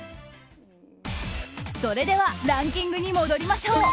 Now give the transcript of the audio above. それではランキングに戻りましょう。